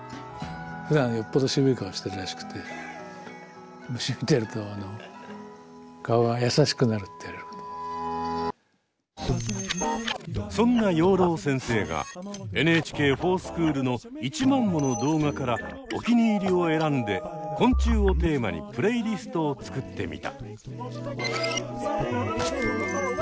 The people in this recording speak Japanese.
ふだんよっぽどそんな養老先生が「ＮＨＫｆｏｒＳｃｈｏｏｌ」の１万もの動画からおきにいりを選んで「昆虫」をテーマにプレイリストを作ってみた。